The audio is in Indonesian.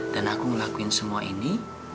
dan aku ngelakuin semua ini